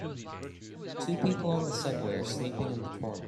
Two people on the subway are sleeping in the corner.